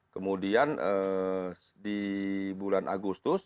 kemudian di bulan agustus